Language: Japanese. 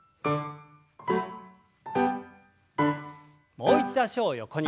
もう一度脚を横に。